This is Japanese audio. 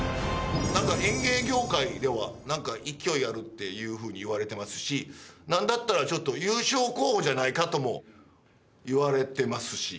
何か演芸業界では勢いあるっていうふうに言われてますし何だったら、優勝候補じゃないかとも言われてますし。